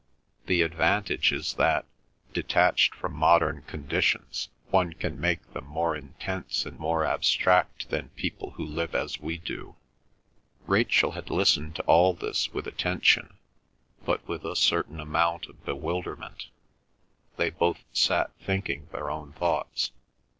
The advantage is that, detached from modern conditions, one can make them more intense and more abstract than people who live as we do." Rachel had listened to all this with attention, but with a certain amount of bewilderment. They both sat thinking their own thoughts.